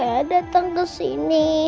ada di sini